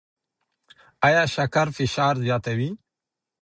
ایا شکر فشار زیاتوي؟